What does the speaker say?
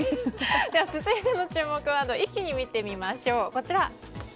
続いての注目ワードを一気に見てみましょう。